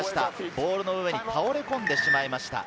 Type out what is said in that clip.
ボールの上に倒れ込んでしまいました。